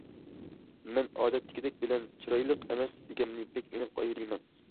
مەن« ئادەتتىكىدەك» بىلەن« چىرايلىق ئەمەس» دېگەننى بەك ئېنىق ئايرىيمەن.